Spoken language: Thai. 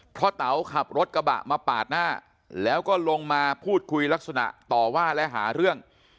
เพราะเต๋าขับรถกระบะมาปาดหน้าแล้วก็ลงมาพูดคุยลักษณะต่อว่าและหาเรื่อง